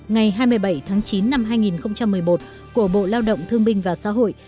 ngày hai mươi bảy tháng chín năm hai nghìn một mươi một của bộ lao động thương minh và xã hội